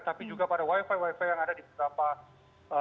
tapi juga pada wifi wifi yang ada di beberapa negara